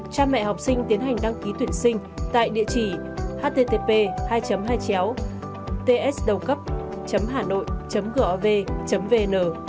cha mẹ học sinh tiến hành đăng ký tuyển sinh tại địa chỉ http tsdaucap hanoi gov vn